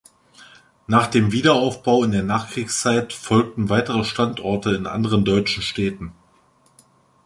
Nach dem Wiederaufbau in der Nachkriegszeit folgten weitere Standorte in anderen deutschen Städten.